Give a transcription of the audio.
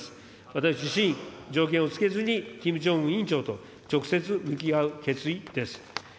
私自身、条件をつけずにキム・ジョンウン委員長と直接向き合う決意です。